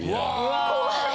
怖い。